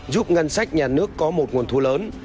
giúp ngân sách nhà nước có một nguồn thu lớn